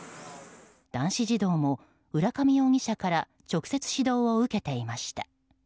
男子児童も浦上容疑者から直接指導を受けていました。